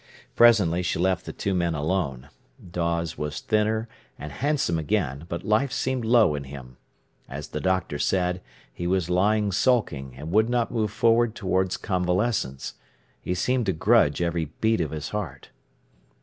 Presently she left the two men alone. Dawes was thinner, and handsome again, but life seemed low in him. As the doctor said, he was lying sulking, and would not move forward towards convalescence. He seemed to grudge every beat of his heart.